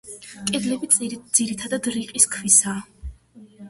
კედლები, ძირითადად, რიყის ქვისაა.